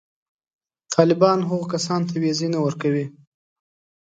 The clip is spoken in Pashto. طالبان هغو کسانو ته وېزې نه ورکوي.